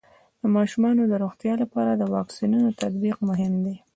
د ماشومانو د روغتیا لپاره د واکسینونو تطبیق مهم دی.